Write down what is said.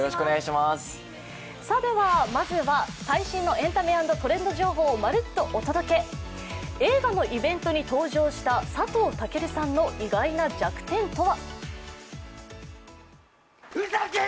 まずは最新のエンタメ＆トレンド情報をまるっとお届け、映画のイベントに登場した佐藤健さんの意外な弱点とは。